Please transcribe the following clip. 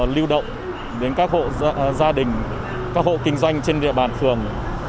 lưu động đến các hộ gia đình các hộ kinh doanh trên địa bàn phường